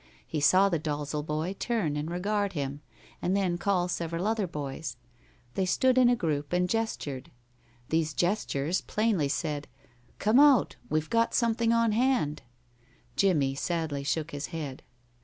He saw the Dalzel boy turn and regard him, and then call several other boys. They stood in a group and gestured. These gestures plainly said: "Come out. We've got something on hand." Jimmie sadly shook his head.